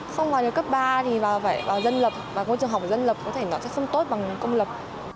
không vào được cấp ba thì vào phải vào dân lập vào ngôi trường học dân lập có thể nói chắc không tốt bằng công lập